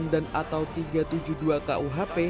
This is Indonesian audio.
dan atau tiga ratus tujuh puluh dua kuhp